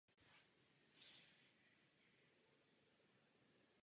Poté vystudovala konzervatoř.